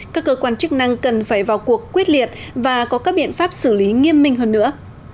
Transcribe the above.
các cơ quan chức năng cần phải vào cuộc quyết liệt và có các biện pháp xử lý nghiêm minh hơn nữa